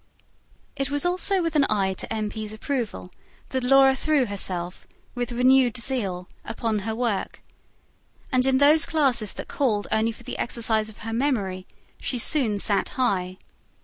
It was also with an eye to M. P.'s approval that Laura threw herself, with renewed zeal, upon her work. And in those classes that called only for the exercise of her memory, she soon sat high.